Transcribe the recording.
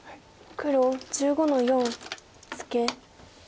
黒１５の四ツケ。